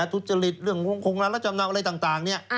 ทุจริตเรื่องโครงงานและจำนวนอะไรต่าง